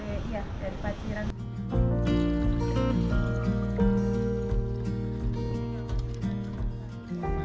iya dari paciran